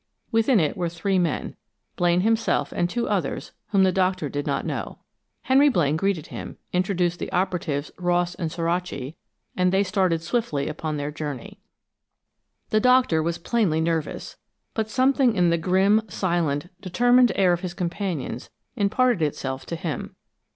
Within it were three men Blaine himself and two others whom the Doctor did not know. Henry Blaine greeted him, introduced his operatives, Ross and Suraci, and they started swiftly upon their journey. The doctor was plainly nervous, but something in the grim, silent, determined air of his companions imparted itself to him.